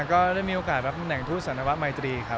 ก็จะได้มีโอกาสประมาณที่จะเป็นทูสันวะไมดรีครับ